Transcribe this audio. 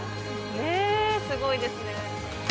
ねぇすごいですね。